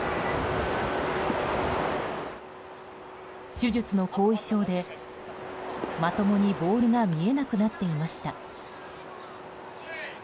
手術の後遺症でまともにボールが見えなくなっていました。